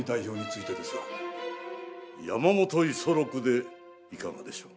山本五十六でいかがでしょう？